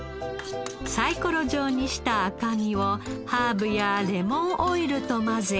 サイコロ状にした赤身をハーブやレモンオイルと混ぜ。